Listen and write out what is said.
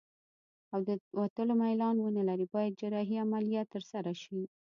او د وتلو میلان ونلري باید جراحي عملیه ترسره شي.